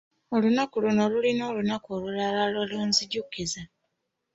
Olunaku luno lulina olunaku olulala lwe lunzijukiza.